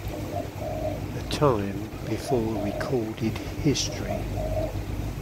A time before recorded history.